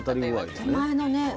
手前のね。